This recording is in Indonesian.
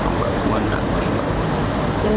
mbak buan tak berhubung